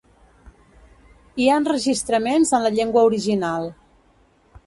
Hi ha enregistraments en la llengua original.